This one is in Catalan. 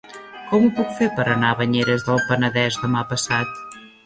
Com ho puc fer per anar a Banyeres del Penedès demà passat?